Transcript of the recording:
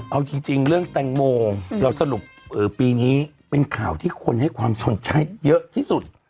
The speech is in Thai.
เอาจริงเรื่องแตงโมเราสรุปปีนี้เป็นข่าวที่คนให้ความสนใจเยอะที่สุด